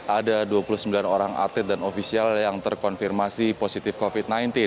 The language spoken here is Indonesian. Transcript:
ada dua puluh sembilan orang atlet dan ofisial yang terkonfirmasi positif covid sembilan belas